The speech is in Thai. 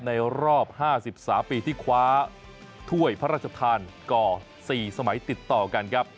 ในรอบ๕๓ปีที่คว้าถ้วยพระราชทานก่อ๔สมัยติดต่อกันครับ